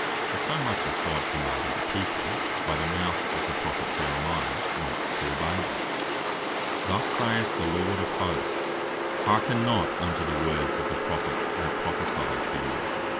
In so much as God commanded the People by the mouth of the Prophet Jeremiah (chap. 23. 16.) not to obey them. "Thus saith the Lord of Hosts, hearken not unto the words of the Prophets, that prophecy to you.